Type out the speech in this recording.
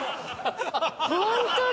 ホントだ！